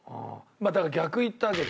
だから逆いったわけですよ。